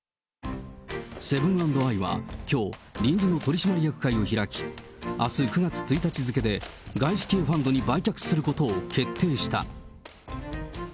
セブン＆アイはきょう、臨時の取締役会を開き、あす９月１日付で外資系ファンドに売却することを決定した。